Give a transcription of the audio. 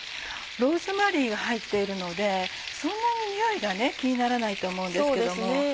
ローズマリーが入っているのでそんなににおいが気にならないと思うんですけども。